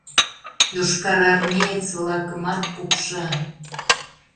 Йошкарармеец-влакымат пукша...